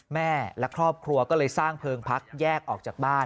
แม่และครอบครัวก็เลยสร้างเพลิงพักแยกออกจากบ้าน